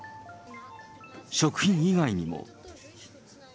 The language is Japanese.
食品以外にも。